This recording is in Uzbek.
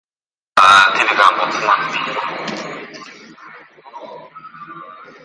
"Hamma ish qonun doirasida bo‘lsin..."